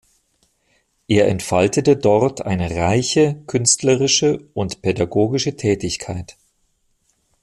Er entfaltete dort eine reiche künstlerische und pädagogische Tätigkeit.